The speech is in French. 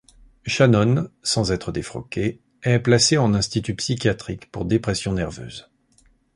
Shannon, sans être défroqué, est placé en institut psychiatrique pour dépression nerveuse.